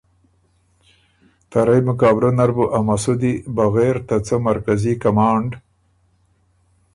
ته رئ مقابلۀ نر بُو ا مسُودی بغېر ته څۀ مرکزي کمانډ